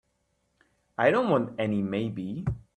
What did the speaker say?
I don't want any maybe.